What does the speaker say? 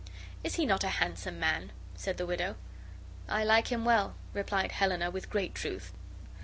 "Is he not a handsome man?" said the widow. "I like him well," replied Helena, with great truth.